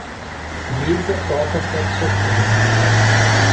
Liza toca saxofone.